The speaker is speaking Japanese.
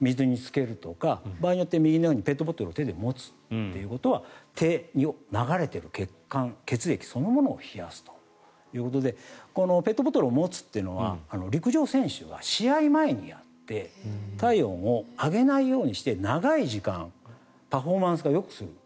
ですから、水につけるとか場合によっては右のようにペットボトルを手に持つということは流れている血管、血液そのものを冷やすということでペットボトルを持つというのは陸上選手が試合前にやって体温を上げないようにしてパフォーマンスを出す。